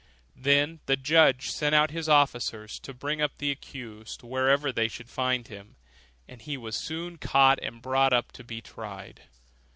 Then the judge sent out his officers to bring up the accused wherever they should find him; and he was soon caught and brought up to be tried.